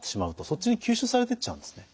そっちに吸収されていっちゃうんですね。